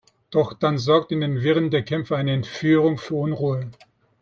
Doch dann sorgt in den Wirren der Kämpfe eine Entführung für Unruhe.